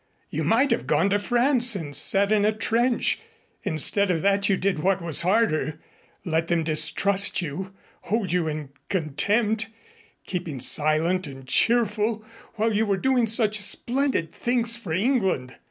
You might have gone to France and sat in a trench. Instead of that you did what was harder let them distrust you hold you in contempt keeping silent and cheerful, while you were doing such splendid things for England."